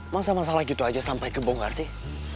masa masalah gitu aja sampai kebongkar sih